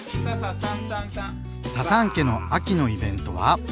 タサン家の秋のイベントは。